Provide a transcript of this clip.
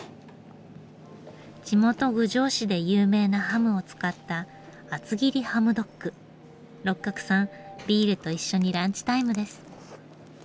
地元郡上市で有名なハムを使った六角さんビールと一緒にランチタイムです。